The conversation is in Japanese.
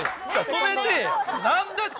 止めてや！